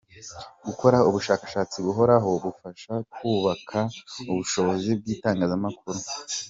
Gukora ubushakashatsi buhoraho bufasha kubaka ubushobozi bw’itangazamakuru ;.